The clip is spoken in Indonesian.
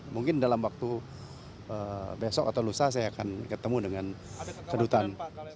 mungkin dalam waktu besok atau lusa saya akan ketemu dengan kedutan